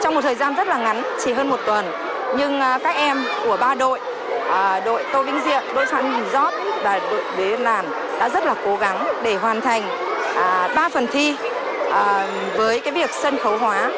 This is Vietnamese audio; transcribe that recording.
trong một thời gian rất là ngắn chỉ hơn một tuần nhưng các em của ba đội đội tô vinh diện đội phạm nhìn giót và đội đế làn đã rất là cố gắng để hoàn thành ba phần thi với cái việc sân khấu hóa